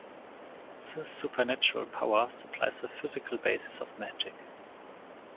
This supernatural power supplies the physical basis of magic.